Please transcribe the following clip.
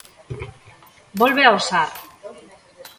Volve ao Sar.